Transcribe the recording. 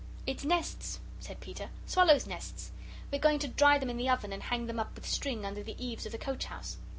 "It's nests," said Peter, "swallows' nests. We're going to dry them in the oven and hang them up with string under the eaves of the coach house."